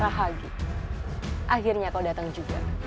bahagia akhirnya kau datang juga